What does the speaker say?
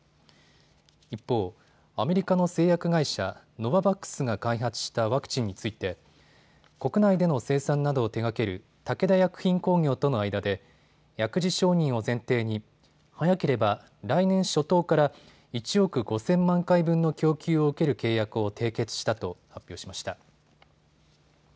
一方、アメリカの製薬会社、ノババックスが開発したワクチンについて国内での生産などを手がける武田薬品工業との間で薬事承認を前提に早ければ来年初頭から１億５０００万回分の供給を受ける契約を締結したと発表しました。